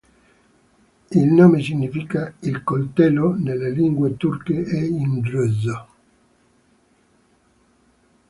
Il nome significa "il coltello" nelle lingue turche e in russo.